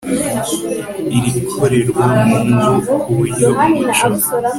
irikorerwa mungo ku buryo umuco